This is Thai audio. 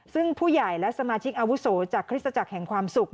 ซึ่งผู้ใหญ่และสมาชิกอาวุโสจากคริสตจักรแห่งความสุข